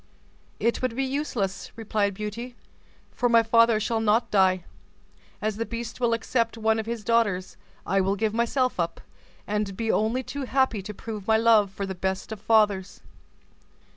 "It would be useless," replied Beauty, "for my father shall not die. As the beast will accept one of his daughters, I will give myself up, and be only too happy to prove my love for the best of fathers."